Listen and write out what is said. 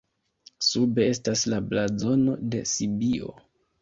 Sube estas la blazono de Sibio.